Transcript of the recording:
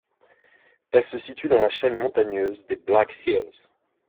Elle se situe dans la chaîne montagneuse des Black Hills.